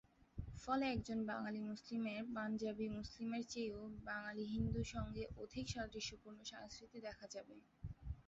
ফলে একজন বাঙালি মুসলিমের পাঞ্জাবি মুসলিমের চেয়েও বাঙালি হিন্দু সঙ্গে অধিক সাদৃশ্যপূর্ণ সংস্কৃতি দেখা যাবে।